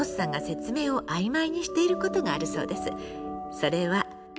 それは。